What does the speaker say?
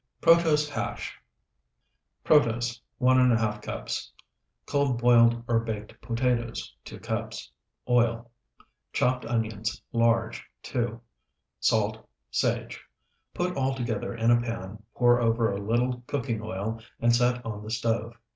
PROTOSE HASH Protose, 1½ cups. Cold boiled or baked potatoes, 2 cups. Oil. Chopped onions, large, 2. Salt. Sage. Put all together in a pan, pour over a little cooking oil, and set on the stove.